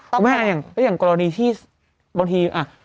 ก็มีอะไรอย่างกรณีที่บางที